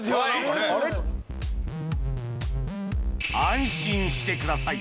安心してください